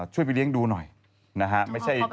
ไปเลี้ยงดูหน่อยนะฮะ